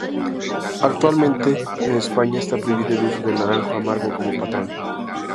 Actualmente en España está prohibido el uso del naranjo amargo como patrón.